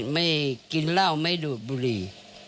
ไม่กินเหล้าไม่ดูดบุหรี่